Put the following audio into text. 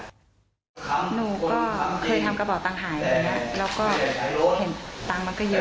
หนูก็เคยทำกระเบาะตังหายแล้วก็เห็นตังค์มันก็เยอะ